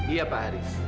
iya pak haris